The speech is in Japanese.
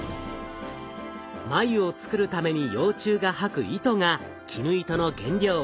繭を作るために幼虫が吐く糸が絹糸の原料。